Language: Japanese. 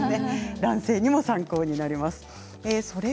男性にも参考になります。